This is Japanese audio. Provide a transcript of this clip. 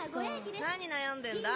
何悩んでんだ？